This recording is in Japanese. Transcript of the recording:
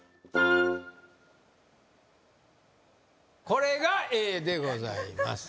これがＡでございます